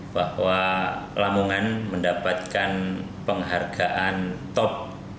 bahwa lamongan mendapatkan penghargaan top sembilan puluh sembilan